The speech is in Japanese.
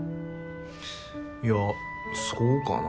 いやそうかな？